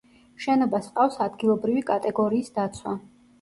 შენობას ჰყავს ადგილობრივი კატეგორიის დაცვა.